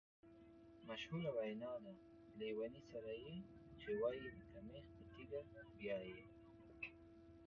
مشهوره وینا ده: لېوني سره یې چې وایې لکه مېخ په تیګه بیایې.